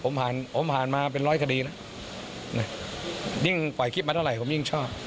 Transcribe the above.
ผมผ่านผมผ่านมาเป็นร้อยคดีแล้วนะยิ่งปล่อยคลิปมาเท่าไหร่ผมยิ่งชอบ